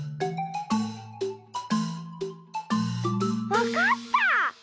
わかった！